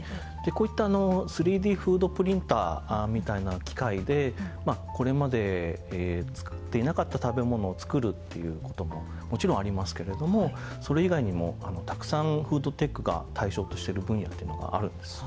こういった３Ｄフードプリンターみたいな機械でこれまで作っていなかった食べ物を作るっていう事ももちろんありますけれどもそれ以外にもたくさんフードテックが対象としている分野っていうのがあるんです。